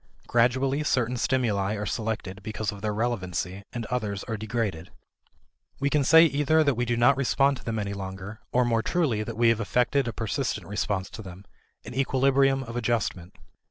Gradually certain stimuli are selected because of their relevancy, and others are degraded. We can say either that we do not respond to them any longer, or more truly that we have effected a persistent response to them an equilibrium of adjustment.